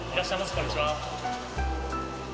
こんにちは」